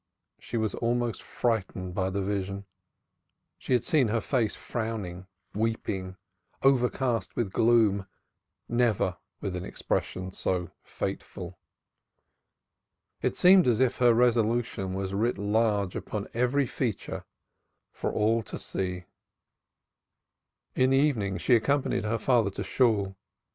She was almost frightened by the vision. She had seen her face frowning, weeping, overcast with gloom, never with an expression so fateful. It seemed as if her resolution was writ large upon every feature for all to read. In the evening she accompanied her father to Shool.